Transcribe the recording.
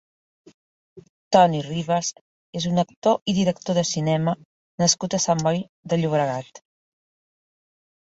Toni Ribas és un actor i director de cinema nascut a Sant Boi de Llobregat.